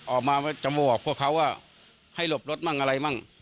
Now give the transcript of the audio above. ออกมาจะบอกพวกเขาว่าให้หลบรถมั่งอะไรมั่ง